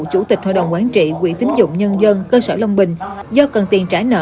chủ tịch hội đồng quán trị quỹ tính dụng nhân dân cơ sở long bình do cần tiền trả nợ